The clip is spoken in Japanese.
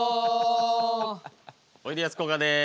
おいでやすこがです。